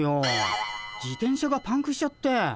自転車がパンクしちゃって。